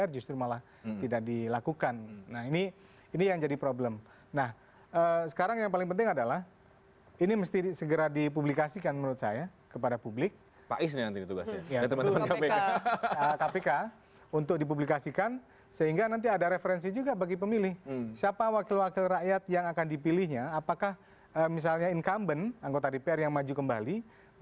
jadi kita akan tetap melanjutkan diskusi